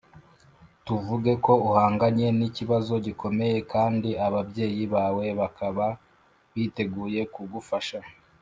Tuvuge ko uhanganye n ikibazo gikomeye kandi ababyeyi bawe bakaba biteguye kugufasha